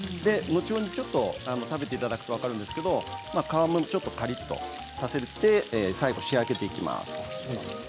後ほど食べていただくと分かるんですが皮もちょっとカリっとさせて最後、仕上げていきます。